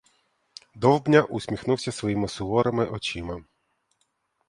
Довбня усміхнувся своїми суворими очима.